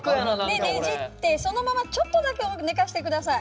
でねじってそのままちょっとだけ寝かしてください。